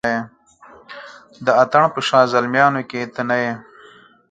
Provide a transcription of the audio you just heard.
د اتڼ په شاه زلمیانو کې ته نه یې